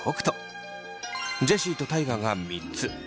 ジェシーと大我が３つ。